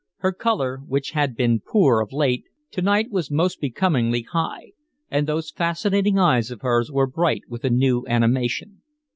Her color, which had been poor of late, to night was most becomingly high, and those fascinating eyes of hers were bright with a new animation.